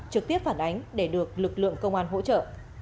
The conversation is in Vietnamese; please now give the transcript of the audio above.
trực tiếp phản ánh để được lực lượng công an hỗ trợ